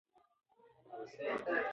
کابل یو ډیر ښکلی ښار دی.